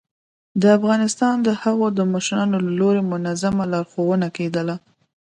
ه افغانستانه د هغو د مشرانو له لوري منظمه لارښوونه کېدله